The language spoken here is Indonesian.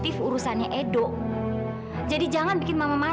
kamu jangan benci aku mila